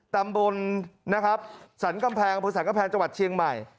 ตามบนนะครับสรรคำแพงพระสรรคำแพงจังหวัดเชียงใหม่